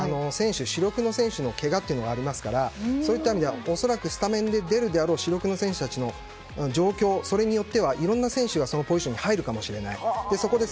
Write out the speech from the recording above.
主力の選手の怪我がありますからそういった意味では恐らくスタメンで出るであろう主力の選手たちの状況によってはいろいろな選手がそのポジションに入るかもしれない。